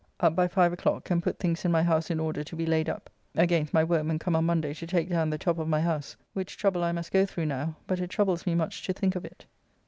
Up by five o'clock, and put things in my house in order to be laid up, against my workmen come on Monday to take down the top of my house, which trouble I must go through now, but it troubles me much to think of it.